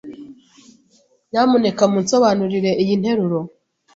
Nyamuneka munsobanurire iyi nteruro.